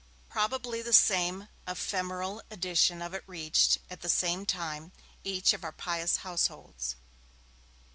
Probably the same ephemeral edition of it reached, at the same time, each of our pious households.